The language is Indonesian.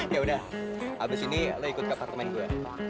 yaudah abis ini lo ikut ke apartemen gua